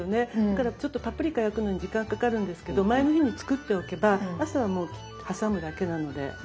だからちょっとパプリカ焼くのに時間かかるんですけど前の日に作っておけば朝はもう挟むだけなので。